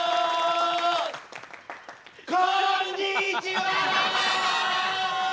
こんにちは！